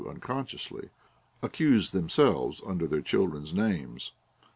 unconsciously accuse themselves, under their children's names.